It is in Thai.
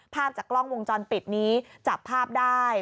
ภาพจากกล้องวงจรปิดนี้จับภาพได้